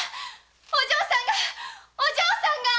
お嬢さんがお嬢さんが。